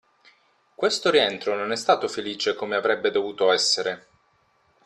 Questo rientro non è stato felice come avrebbe dovuto essere.